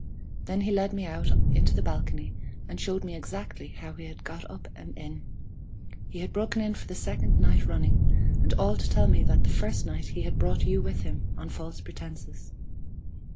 Then he led me out into the balcony, and showed me exactly how he had got up and in. He had broken in for the second night running, and all to tell me that the first night he had brought you with him on false pretences.